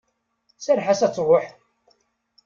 Serreḥ-as ad truḥ!